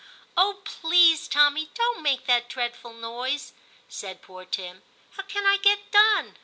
' Oh ! please. Tommy, don't make that dreadful noise,* said poor Tim. * How can I get done